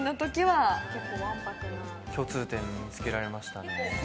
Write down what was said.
共通点、見つけられましたね。